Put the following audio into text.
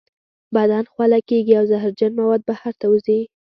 بدن خوله کیږي او زهرجن مواد بهر ته وځي.